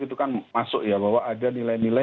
itu kan masuk ya bahwa ada nilai nilai